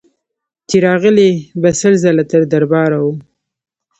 چي راغلې به سل ځله تر دربار وه